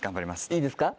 いいですか？